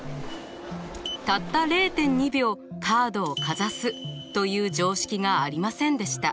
たった０．２秒カードをかざすという常識がありませんでした。